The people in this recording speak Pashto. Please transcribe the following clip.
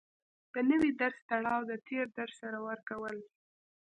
د نوي درس تړاو د تېر درس سره ورکول